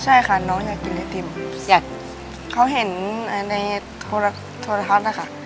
ใช่ค่ะน้องอยากกินไอติมอยากเขาเห็นในโทรทัศน์นะคะ